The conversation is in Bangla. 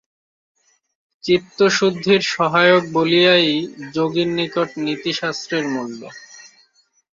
চিত্তশুদ্ধির সহায়ক বলিয়াই যোগীর নিকট নীতিশাস্ত্রের মূল্য।